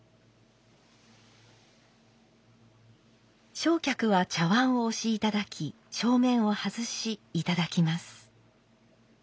正客は茶碗をおしいただき正面を外しいただきます。